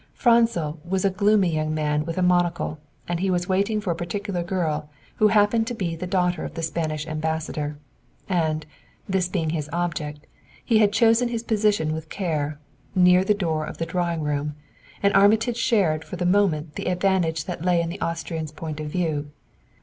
Franzel was a gloomy young man with a monocle, and he was waiting for a particular girl, who happened to be the daughter of the Spanish Ambassador. And, this being his object, he had chosen his position with care, near the door of the drawing room, and Armitage shared for the moment the advantage that lay in the Austrian's point of view.